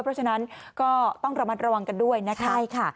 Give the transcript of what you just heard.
เพราะฉะนั้นก็ต้องระมัดระวังกันด้วยนะคะใช่ค่ะ